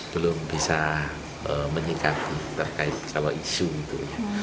belum bisa menikmati terkait isu itu